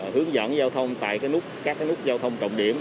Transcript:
hướng dẫn giao thông tại nút các nút giao thông trọng điểm